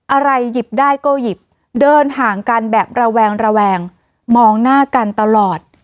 อะไรหยิบได้ก็หยิบเดินห่างกันแบบระแวงระแวงมองหน้ากันตลอด